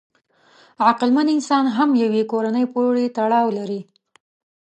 عقلمن انسان هم یوې کورنۍ پورې تړاو لري.